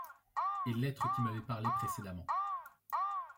Et l’être qui m’avait parlé précédemment